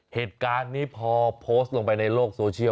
เหตุการณ์นี้พอโพสต์ลงไปในโลกโซเชียล